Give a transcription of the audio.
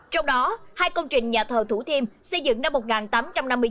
trong đó hai công trình nhà thờ thủ thiêm xây dựng năm một nghìn tám trăm năm mươi chín